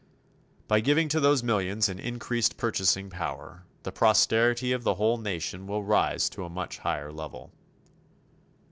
By giving to those millions an increased purchasing power, the prosperity of the whole nation will rise to a much higher level.